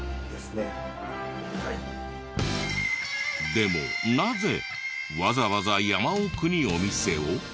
でもなぜわざわざ山奥にお店を？